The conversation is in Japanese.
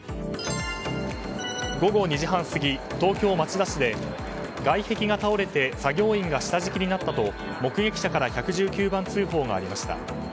午後２時半過ぎ、東京・町田市で外壁が倒れて作業員が下敷きになったと目撃者から１１９番通報がありました。